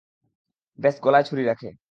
ব্যস গলায় ছুরি রাখে।